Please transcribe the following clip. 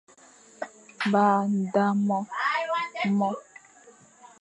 Ba nda mo,